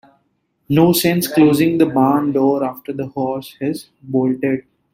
No sense closing the barn door after the horse has bolted.